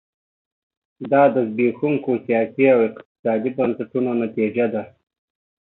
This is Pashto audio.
دا د زبېښونکو سیاسي او اقتصادي بنسټونو نتیجه ده.